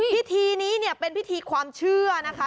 พิธีนี้เนี่ยเป็นพิธีความเชื่อนะคะ